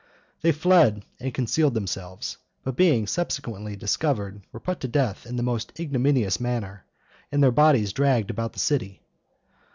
They fled and concealed themselves, but being subsequently discovered, were put to death in the most ignominious manner, and their bodies dragged about the city.